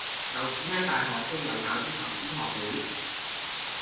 舊時喺大學都有搞啲投資學會